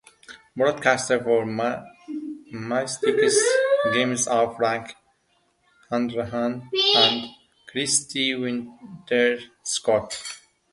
Broadcasters for Mystics games are Frank Hanrahan and Christy Winters Scott.